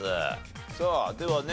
さあではね